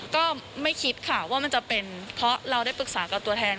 ก็ไม่คิดค่ะว่ามันจะเป็นเพราะเราได้ปรึกษากับตัวแทน